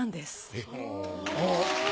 えっ。